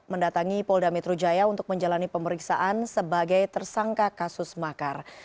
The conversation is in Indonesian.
mendatangi polda metro jaya untuk menjalani pemeriksaan sebagai tersangka kasus makar